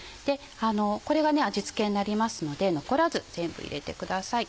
これが味付けになりますので残らず全部入れてください。